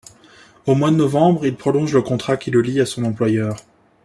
Au mois de novembre il prolonge le contrat qui le lie à son employeur.